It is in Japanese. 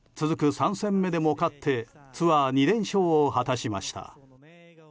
３戦目でも勝ってツアー２連勝を果たしました。